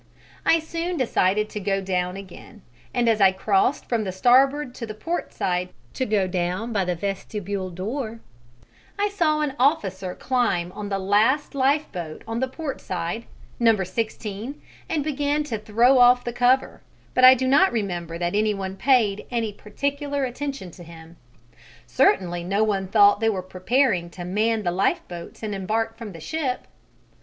I soon decided to go down again, and as I crossed from the starboard to the port side to go down by the vestibule door, I saw an officer climb on the last lifeboat on the port side number 16 and begin to throw off the cover, but I do not remember that any one paid any particular attention to him. Certainly no one thought they were preparing to man the lifeboats and embark from the ship.